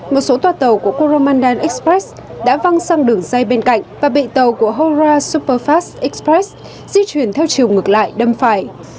một số tòa tàu của chromandan express đã văng sang đường dây bên cạnh và bị tàu của hora superfast express di chuyển theo chiều ngược lại đâm phải